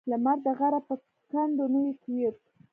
لمر د غره په کنډو نوی کېوت.